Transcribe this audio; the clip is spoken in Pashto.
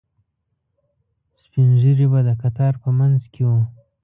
سپینږیري به د کتار په منځ کې وو.